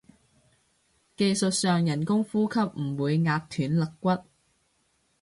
技術上人工呼吸唔會壓斷肋骨